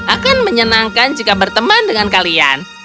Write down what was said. akan menyenangkan jika berteman dengan kalian